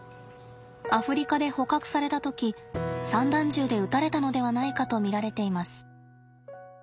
アフリカで捕獲された時散弾銃で撃たれたのではないかと見られています。